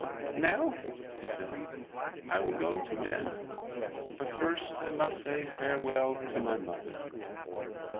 "Now," he said, "I will go to men. But first I must say farewell to my mother."